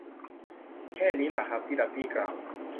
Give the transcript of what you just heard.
แค่นี้ล่ะ ฮัมพ์ตี้ดัมพ์ตี้กล่าว